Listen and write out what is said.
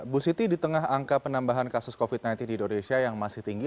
bu siti di tengah angka penambahan kasus covid sembilan belas di indonesia yang masih tinggi